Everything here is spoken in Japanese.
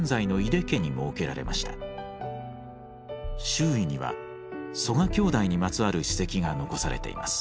周囲には曽我兄弟にまつわる史跡が残されています。